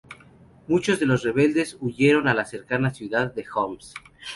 Muchos de los rebeldes huyeron a la cercana ciudad de Homs.